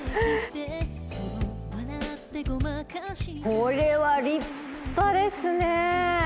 これは立派ですね。